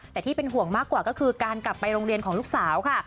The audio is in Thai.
แต่ที่เป็นห่วงมากกว่าก็คือการกลับไปโรงเรียนของลูกสาวค่ะ